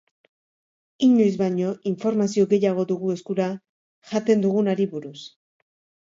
Inoiz baino informazio gehiago dugu eskura jaten dugunari buruz.